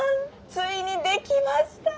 ついに出来ました！